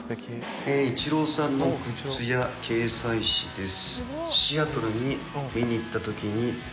イチローさんのグッズや掲載誌です。